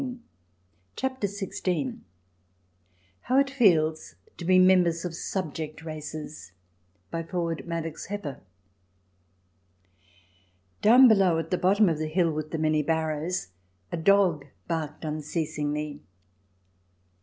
14 CHAPTER XVI HOW IT FEELS TO BE MEMBERS OF SUBJECT RACES* Down below, at the bottom of the hill with the many barrows, a dog barked unceasingly.